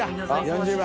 ４０番。